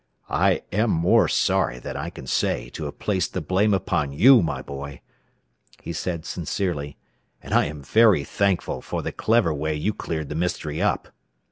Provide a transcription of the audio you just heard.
"I am more sorry than I can say to have placed the blame upon you, my boy," he said sincerely. "And I am very thankful for the clever way you cleared the mystery up.